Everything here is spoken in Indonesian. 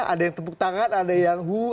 ada yang tepuk tangan ada yang hoo